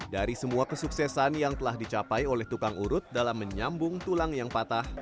dari semua kesuksesan yang telah dicapai oleh tukang urut dalam menyambung tulang yang patah